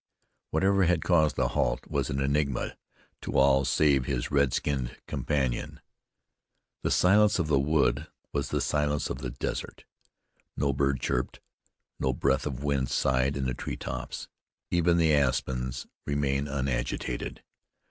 Whatever had caused the halt was an enigma to all save his red skinned companion. The silence of the wood was the silence of the desert. No bird chirped; no breath of wind sighed in the tree tops; even the aspens remained unagitated.